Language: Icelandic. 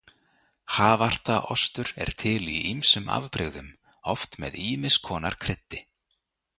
Havarta ostur er til í ýmsum afbrigðum, oft með ýmiss konar kryddi.